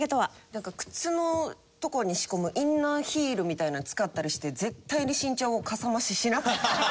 なんか靴のとこに仕込むインナーヒールみたいなの使ったりして絶対に身長をかさ増ししなかった。